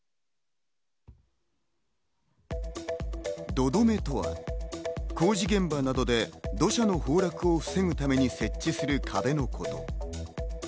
土留めとは工事現場などで、土砂の崩落を防ぐために設置する壁のこと。